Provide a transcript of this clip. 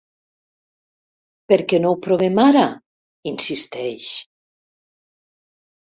Per què no ho provem ara? —insisteix.